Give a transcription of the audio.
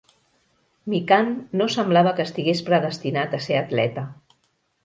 Mikan no semblava que estigués predestinat a ser atleta.